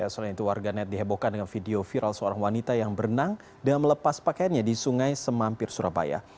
selain itu warganet dihebohkan dengan video viral seorang wanita yang berenang dan melepas pakaiannya di sungai semampir surabaya